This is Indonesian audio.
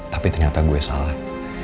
tapi ternyata gue salah